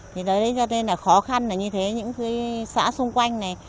thì đấy cho nên là khó khăn là như thế những xã xung quanh này